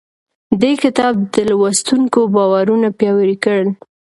دې کتاب د لوستونکو باورونه پیاوړي کړل.